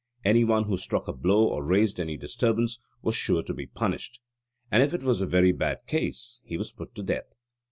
Anyone who struck a blow or raised any disturbance was sure to be punished: and if it was a very bad case, he was put to death.